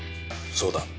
そうだ。